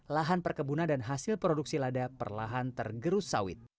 lahan perkebunan dan hasil produksi lada perlahan tergerus sawit